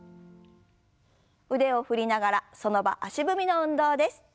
腕を振りながらその場足踏みの運動です。